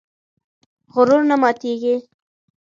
غرور نه ماتېږي.